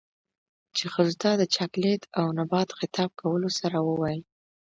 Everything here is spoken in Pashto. ،چـې ښـځـو تـه د چـاکـليـت او نـبات خـطاب کـولـو سـره وويل.